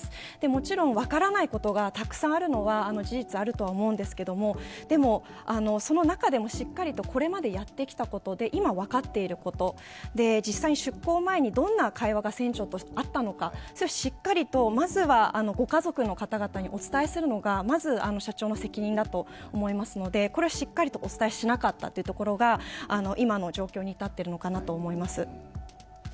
もちろん分からないことがたくさんあるのは事実あるとは思うんですけど、その中でもこれまでにやってきたことで今分かっていること、実際に出航前にどんな会話が船長とあったのかしっかりとまずはご家族の方々にお伝えするのが、まず社長の責任だと思いますのでこれをしっかりとお伝えしなかったところが今の状況に至ってるのかなと思います。